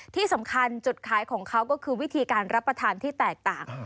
ที่สำคัญจุดขายของเขาก็คือวิธีการรับประทานที่แตกต่าง